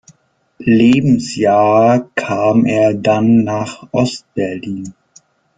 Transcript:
Lebensjahr kam er dann nach Ost-Berlin.